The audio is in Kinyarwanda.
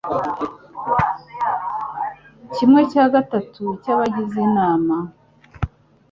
kimwe cya gatatu cy’ abagize inama